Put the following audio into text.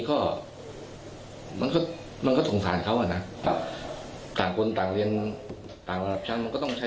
ก็สงสารเขาอ่ะนะ